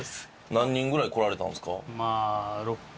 何人ぐらい来られたんですか？